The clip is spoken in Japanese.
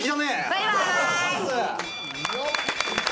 バイバーイ。